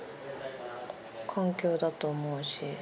環境だと思うし。